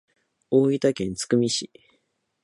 大分県津久見市